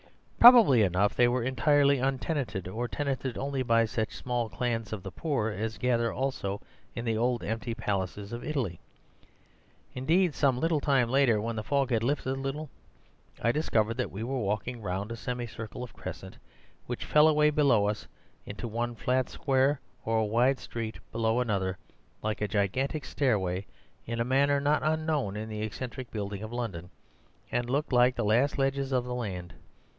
Probably enough, they were entirely untenanted, or tenanted only by such small clans of the poor as gather also in the old emptied palaces of Italy. Indeed, some little time later, when the fog had lifted a little, I discovered that we were walking round a semi circle of crescent which fell away below us into one flat square or wide street below another, like a giant stairway, in a manner not unknown in the eccentric building of London, and looking like the last ledges of the land.